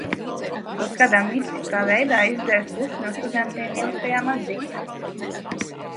Kaut kādā mistiskā veidā izdzēsu pusi no studentiem ieliktajām atzīmēm.